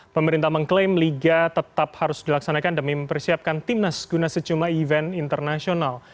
pemerintah mengklaim liga tetap harus dilaksanakan demi mempersiapkan timnas guna sejumlah event internasional